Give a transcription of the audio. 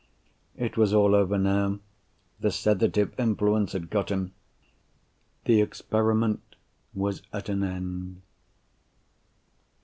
It was all over now. The sedative influence had got him; the experiment was at an end.